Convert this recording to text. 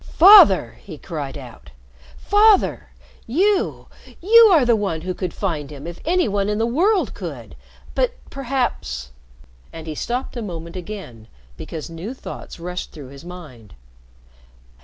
"Father!" he cried out. "Father! You you are the one who could find him if any one in the world could. But perhaps " and he stopped a moment again because new thoughts rushed through his mind.